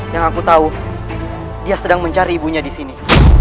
yang aku tahu dia sedang mencari ibunya disini